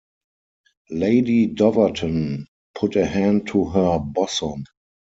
Lady Doverton put a hand to her bosom.